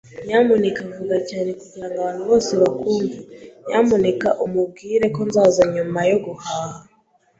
Nyamuneka vuga cyane kugirango abantu bose bakwumve. Nyamuneka umubwire ko nzaza nyuma yo guhaha.